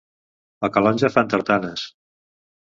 A Calonge fan tartanes.